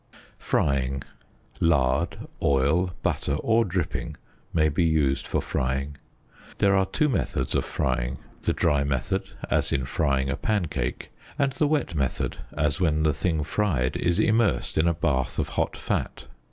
Frying. ŌĆö Lard, oil, butter, or dripping may be used for frying. There are two methods of frying ŌĆö the dry method, as in frying a pancake, and the wet method, as when the thing fried is immersed in a bath of hot fat.